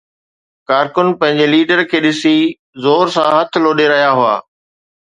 ڪارڪن پنهنجي ليڊر کي ڏسي زور سان هٿ لوڏي رهيا هئا